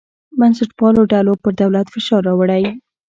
بنسټپالو ډلو پر دولت فشار راوړی.